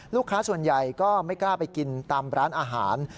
ลูกค้าส่วนใหญ่ก็ไม่กล้าไปกินตามร้านอาหาร